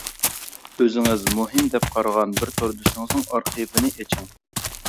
ئۆزىڭىز مۇھىم دەپ قارىغان بىر توردىشىڭىزنىڭ ئارخىپىنى ئېچىڭ!